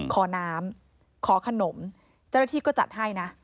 ขอน้ำขอขนมเจ้าหน้าที่ก็จัดให้นะ